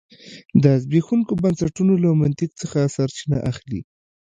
د زبېښونکو بنسټونو له منطق څخه سرچینه اخلي.